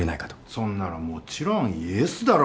そんなのもちろんイエスだろ！